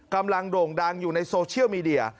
โด่งดังอยู่ในโซเชียลมีเดีย